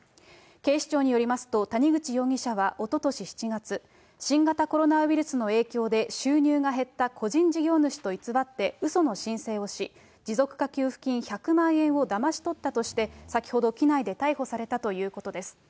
警視庁によりますと、谷口容疑者はおととし７月、新型コロナウイルスの影響で収入が減った個人事業主と偽ってうその申請をし、持続化給付金１００万円をだまし取ったとして、先ほど機内で逮捕されたということです。